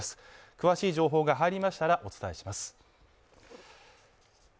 詳しい情報が入りましたらお伝えします。